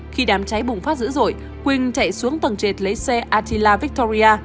khi đám cháy bùng phát dữ dội quỳnh chạy xuống tầng trệt lấy xe atila victoria